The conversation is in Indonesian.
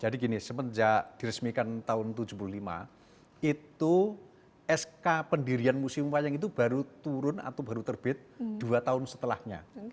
jadi gini semenjak diresmikan tahun seribu sembilan ratus tujuh puluh lima itu sk pendirian musium wayang itu baru turun atau baru terbit dua tahun setelahnya